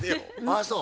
ああそう？